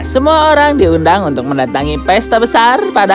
semua orang di rumahnya harus berpikir dengan baik dan tidak akan berpikir dengan salah